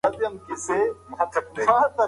ماشوم د انا په جامو پورې ونیول.